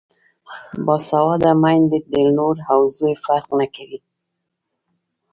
باسواده میندې د لور او زوی فرق نه کوي.